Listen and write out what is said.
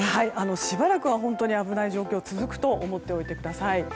しばらくは危ない状況が続くと思っておいてください。